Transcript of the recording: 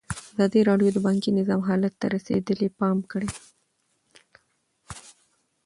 ازادي راډیو د بانکي نظام حالت ته رسېدلي پام کړی.